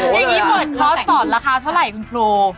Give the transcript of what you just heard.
อย่างงี้บัดลองสอบราคาเท่าไหร่คุณโคร